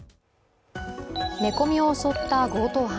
寝込みを襲った強盗犯。